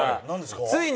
ついに。